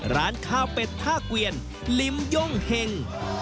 ร้านข้าวเป็ดท่าเกวียนลิมย่งเห็ง